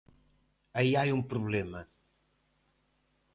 Aí hai un problema.